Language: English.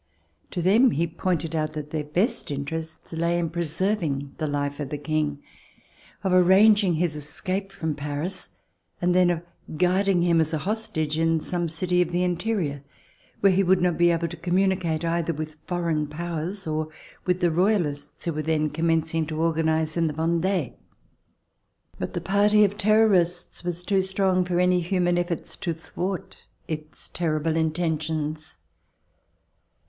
To them he pointed out that their best interests lay in preserving the life of the King, of arranging his escape from Paris, and then of guarding him as hostage in some city of the interior where he would not be able to communi cate either with foreign powers, or with the Royalists, who were then commencing to organize in the Vendee. But the party of Terrorists was too strong for any human efforts to thwart its terrible intentions.